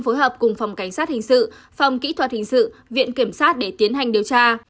phối hợp cùng phòng cảnh sát hình sự phòng kỹ thuật hình sự viện kiểm sát để tiến hành điều tra